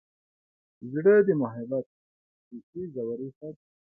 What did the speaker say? زړه د محبت ریښې ژورې ساتي.